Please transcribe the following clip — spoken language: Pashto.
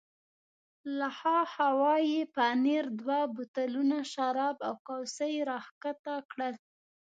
له ها خوا یې پنیر، دوه بوتلونه شراب او کوسۍ را کښته کړل.